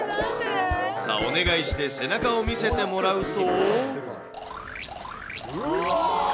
さあ、お願いして背中を見せてもらうと。